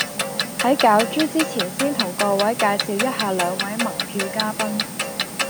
喺攪珠之前先同各位介紹一下兩位盟票嘉賓